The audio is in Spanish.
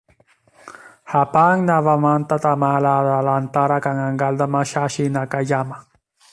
Japón nuevamente tomó la delantera con un gol de Masashi Nakayama.